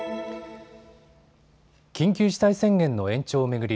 緊急事態宣言の延長を巡り